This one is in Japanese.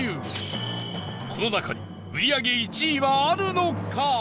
この中に売り上げ１位はあるのか？